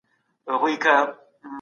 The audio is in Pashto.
په ګډ ژوند کې زغم ولرئ.